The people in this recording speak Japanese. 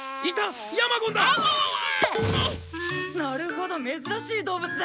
なるほど珍しい動物だ。